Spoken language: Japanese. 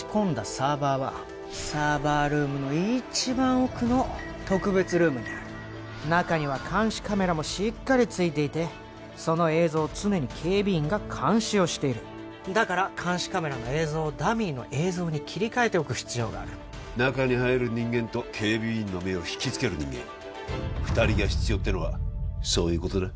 サーバーはサーバールームの一番奥の特別ルームにある中には監視カメラもしっかりついていてその映像を常に警備員が監視をしているだから監視カメラの映像をダミーの映像に切り替えておく必要がある中に入る人間と警備員の目を引きつける人間２人が必要ってのはそういうことだ